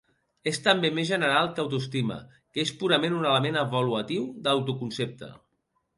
És també més general que autoestima, que és purament un element avaluatiu de l'autoconcepte.